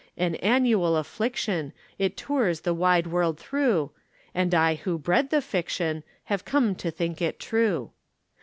An annual affliction, It tours the wide world through, And I who bred the fiction Have come to think it true.